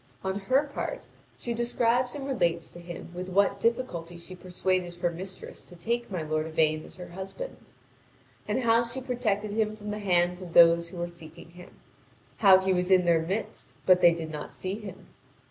On her part she describes and relates to him with what difficulty she persuaded her mistress to take my lord Yvain as her husband, and how she protected him from the hands of those who were seeking him; how he was in their midst but they did not see him.